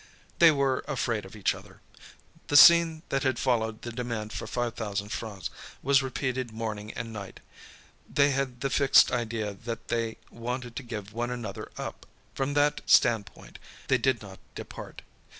They were afraid of each other. The scene that had followed the demand for 5,000 francs, was repeated morning and night. They had the fixed idea that they wanted to give one another up. From that standpoint they did not depart.